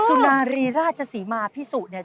สุนารีราชศรีมาพิสุเนี่ย